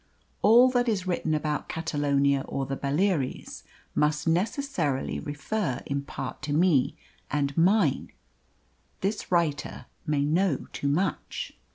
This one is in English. All that is written about Catalonia or the Baleares must necessarily refer in part to me and mine. This writer may know too much."